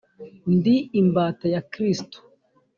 ndi imbata ya kristo